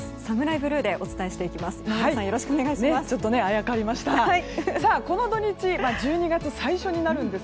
ブルーでお伝えしていきます。